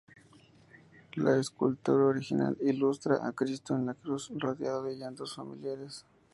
La escultura original ilustra a Cristo en la Cruz, rodeado de llantos familiares.